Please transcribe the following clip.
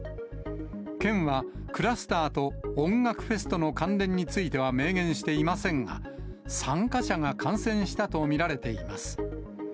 県はクラスターと音楽フェスとの関連については明言していませんが、参加者が感染したと見られています。